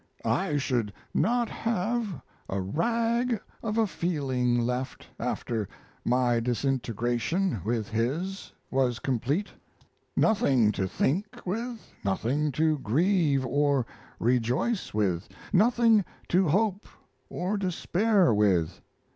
I should not have a rag of a feeling left, after my disintegration with his was complete. Nothing to think with, nothing to grieve or rejoice with, nothing to hope or despair with.